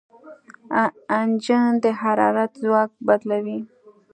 انجن د حرارت ځواک بدلوي.